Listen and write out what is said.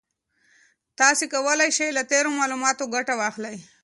تاسي کولای شئ له تېرو معلوماتو ګټه واخلئ.